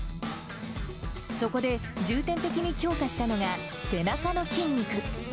そこで重点的に強化したのが背中の筋肉。